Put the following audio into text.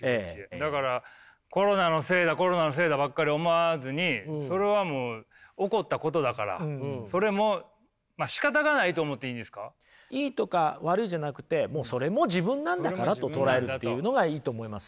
だからコロナのせいだコロナのせいだばっかり思わずにそれはもういいとか悪いじゃなくてもうそれも自分なんだからと捉えるというのがいいと思いますね。